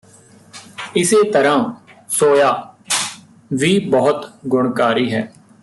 ਇਸੇ ਤਰ੍ਹਾਂ ਸੋਯਾ ਵੀ ਬਹੁਤ ਗੁਣਕਾਰੀ ਹੈ